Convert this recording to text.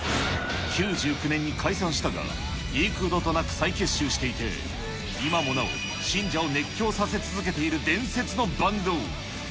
９９年に解散したが、幾度となく再結集していて、今もなお、信者を熱狂させ続けている伝説のバンド。